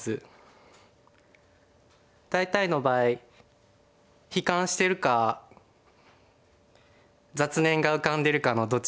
大体の場合悲観してるか雑念が浮かんでるかのどちらかです。